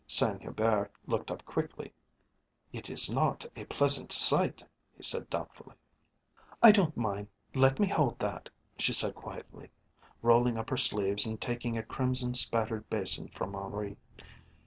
Saint Hubert looked up quickly. "It is not a pleasant sight," he said doubtfully. "I don't mind. Let me hold that," she said quietly, rolling up her sleeves and taking a crimson spattered basin from Henri.